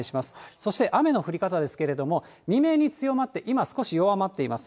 そして雨の降り方ですけれども、未明に強まって今、少し弱まっています。